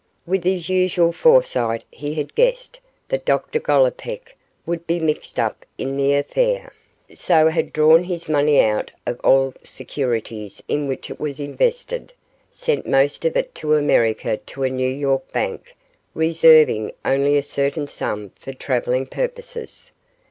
With his usual foresight he had guessed that Dr Gollipeck would be mixed up in the affair, so had drawn his money out of all securities in which it was invested, sent most of it to America to a New York bank, reserving only a certain sum for travelling purposes.